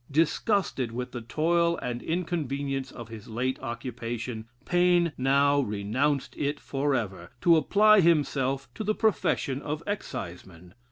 Disgusted with the toil and inconvenience of his late occupation, Paine now renounced it forever, to apply himself to the profession of Exciseman.